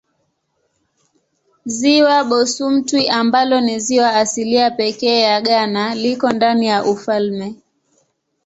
Ziwa Bosumtwi ambalo ni ziwa asilia pekee ya Ghana liko ndani ya ufalme.